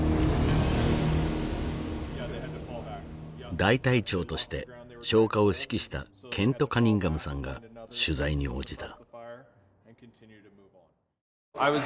大隊長として消火を指揮したケント・カニンガムさんが取材に応じた。